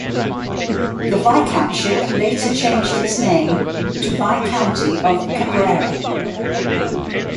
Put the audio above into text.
The viscountship later changed its name to viscounty of Cabrera.